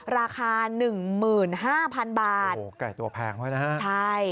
ราคา๑๕๐๐๐บาท